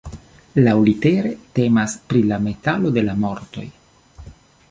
Laŭlitere, temas pri la metalo de la mortoj.